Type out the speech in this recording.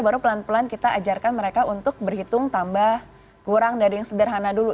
kemudian kita ajarkan mereka untuk berhitung tambah kurang dari yang sederhana dulu